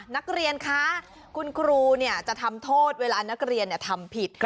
นักเรียนคะคุณครูจะทำโทษเวลานักเรียนทำผิด